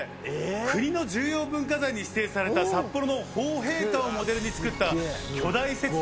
国の重要文化財に指定された札幌の豊平館をモデルに作った巨大雪像。